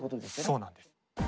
そうなんです。